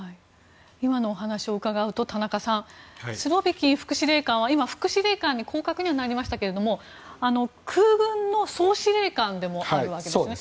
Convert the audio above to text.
今のお話を伺うと田中さんスロビキン副司令官は副司令官に降格にはなりましたが空軍の総司令官でもあるわけですね。